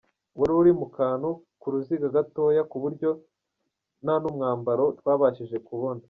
Wari uri mu kantu k’uruziga gatoya, ku buryo nta n’umwambaro twabashije kubona.